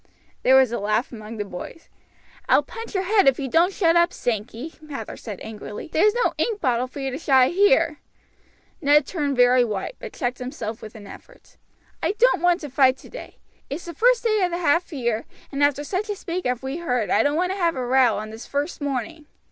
There was a laugh among the boys. "I will punch your head if you don't shut up, Sankey," Mather said angrily; "there's no ink bottle for you to shy here." Ned turned very white, but he checked himself with an effort. "I don't want to fight today it's the first day of the half year, and after such a speech as we've heard I don't want to have a row on this first morning.